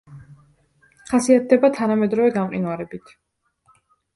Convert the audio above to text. ხასიათდება თანამედროვე გამყინვარებით.